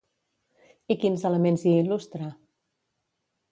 I quins elements hi il·lustra?